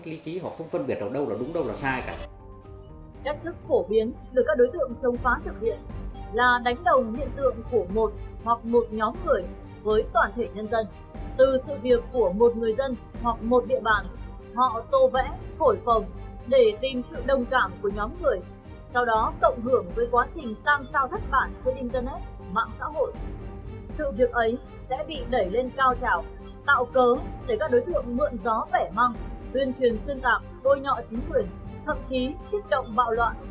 sự việc ấy sẽ bị đẩy lên cao trào tạo cớ để các đối thủ mượn gió vẻ măng tuyên truyền xương tạp côi nhọ chính quyền thậm chí thiết động bạo loạn